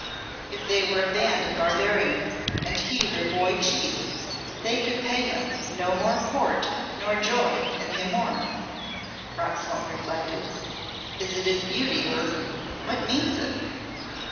"If they were a band of barbarians and he their boy chief they could pay him no more court nor joy in him more," Roxholm reflected. "Is it his beauty or what means it?"